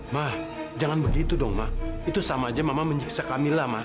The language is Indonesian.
ma jangan begitu dong ma itu sama aja mama menyiksa kamilah ma